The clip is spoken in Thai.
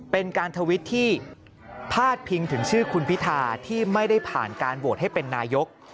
เป็นการทวิตที่พาดพิงถึงชื่อคุณพิธาที่ไม่ได้ผ่านการโหวตให้เป็นนายก